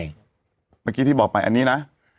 เมื่อกี้ที่บอกไปอันนี้นะ